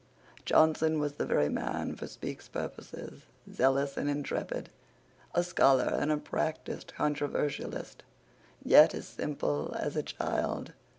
Johnson was the very man for Speke's purposes, zealous and intrepid, a scholar and a practised controversialist, yet as simple as a child.